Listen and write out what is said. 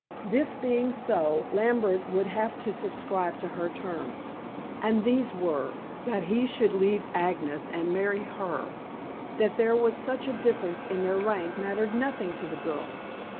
This being so, Lambert would have to subscribe to her terms. And these were, that he should leave Agnes and marry her. That there was such a difference in their rank mattered nothing to the girl.